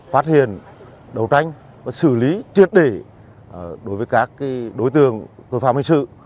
phát hiện đấu tranh và xử lý triệt để đối với các đối tượng tội phạm hình sự